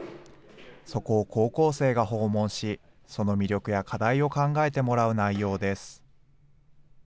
そこを高校生が訪問し、その魅力や課題を考えてもらう内容です。